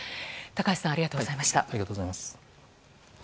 高橋さんありがとうございました。